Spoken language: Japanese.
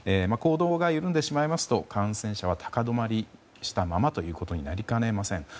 行動が緩んでしまいますと感染者は高止まりしたままということになりかねません。